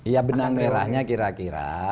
ya benang merahnya kira kira